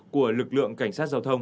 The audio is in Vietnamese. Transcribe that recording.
của lực lượng cảnh sát giao thông